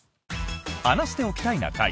「話しておきたいな会」。